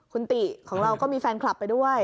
คุณติของเราก็มีแฟนคลับไปด้วย